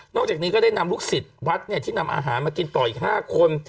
จากนี้ก็ได้นำลูกศิษย์วัดที่นำอาหารมากินต่ออีก๕คน